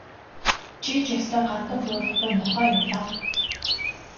Чи ч ёстой гандан буурахгүй нохой юм даа.